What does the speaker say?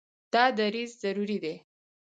دا دریځ ضروري دی.